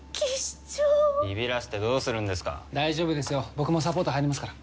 僕もサポート入りますから。